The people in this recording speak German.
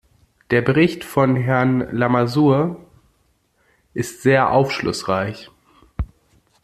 Der Bericht von Herrn Lamassoure ist sehr aufschlussreich.